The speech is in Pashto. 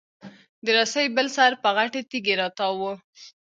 د رسۍ بل سر په غټې تېږي راتاو و.